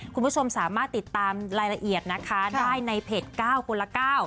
คุณผู้ชมสามารถติดตามรายละเอียดนะคะได้ในเพจ๙คนละ๙